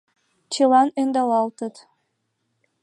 Чылан ӧндалалтыт.